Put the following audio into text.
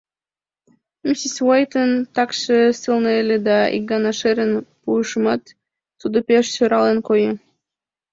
Миссис Уайтын такше сылне ыле, да ик гана шерын пуышымат, тудо пеш сӧралын койо...